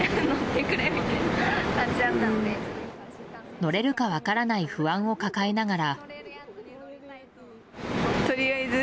乗れるか分からない不安を抱えながら。